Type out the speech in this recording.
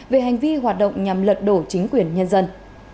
về hành vi hoạt động nhằm lật đổ chính quyền nhân dân